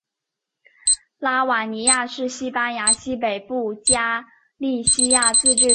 拉瓦尼亚是西班牙西北部加利西亚自治区拉科鲁尼亚省的一个市镇。